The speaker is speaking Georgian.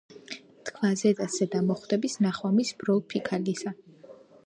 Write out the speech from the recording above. თქვა: "ზედას-ზედა მომხვდების ნახვა მის ბროლ-ფიქალისა,